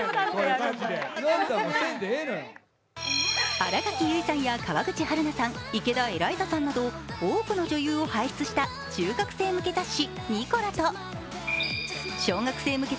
新垣結衣さんや川口春奈さん、池田エライザさんなど多くの女優を輩出した中学生向け雑誌「ニコラ」と小学生向け